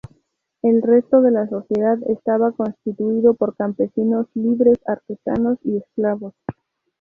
El resto de la sociedad estaba constituido por campesinos libres, artesanos y esclavos.